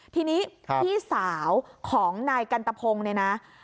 ทีนี้พี่สาวของนายกันตะพงศ์เนี่ยนะ